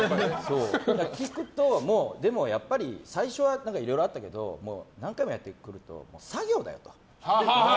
聞くと最初はいろいろあったけど何回もやってくると作業だよと。